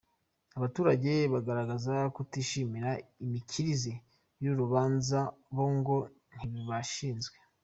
Abaturage bagaragazaga kutishimira imikirize y'uru rubanza bo ngo ntibashizwe.